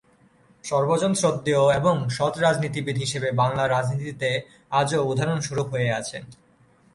সর্বজনশ্রদ্ধেয় এবং সৎ রাজনীতিবিদ হিসেবে বাংলার রাজনীতিতে আজো উদাহরণস্বরূপ হয়ে আছেন।